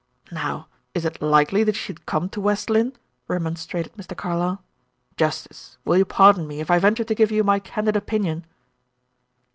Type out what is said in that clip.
"Now, is it likely that he should come to West Lynne?" remonstrated Mr. Carlyle. "Justice, will you pardon me, if I venture to give you my candid opinion."